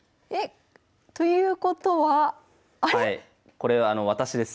これ私です。